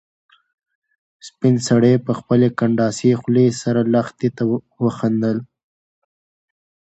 سپین سرې په خپلې کنډاسې خولې سره لښتې ته وخندل.